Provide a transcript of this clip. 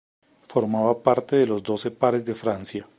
Formaba parte de los Doce Pares de Francia.